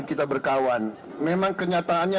kita berkawan memang kenyataannya